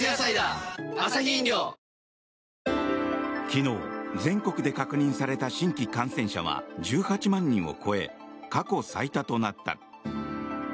昨日、全国で確認された新規感染者は１８万人を超え過去最多となった。